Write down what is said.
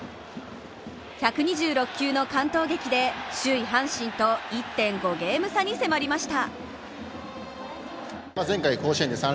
１２６球の完投劇で首位・阪神と１．５ゲーム差に迫りました。